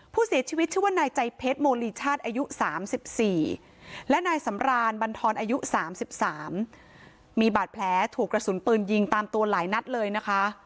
ผู้เสียชีวิตชื่อว่านายใจเพชรโมลีชาติอายุ๓๔และนายสำรานบรรทรอายุ๓๓มีบาดแผลถูกกระสุนปืนยิงตามตัวหลายนัดเลยนะคะ